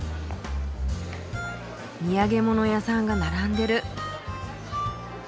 土産物屋さんが並んでる。